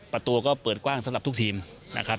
ประตูก็เปิดกว้างสำหรับทุกทีมนะครับ